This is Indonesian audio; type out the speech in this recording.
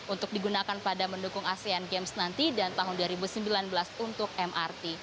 untuk digunakan pada mendukung asean games nanti dan tahun dua ribu sembilan belas untuk mrt